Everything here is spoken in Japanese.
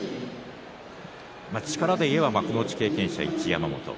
力で言えば幕内経験者、一山本。